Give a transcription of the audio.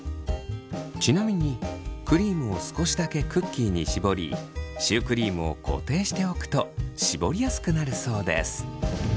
ちなみにクリームを少しだけクッキーに絞りシュークリームを固定しておくと絞りやすくなるそうです。